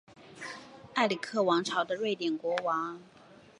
埃里克王朝的瑞典国王。